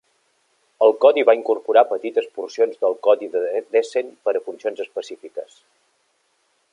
El codi va incorporar petites porcions del codi de "Descent" per a funcions específiques.